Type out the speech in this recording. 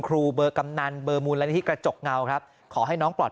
ครูเบอร์กำนันเบอร์มูลนิธิกระจกเงาครับขอให้น้องปลอด